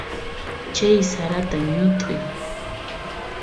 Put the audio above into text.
Chay sarata ñut'uy.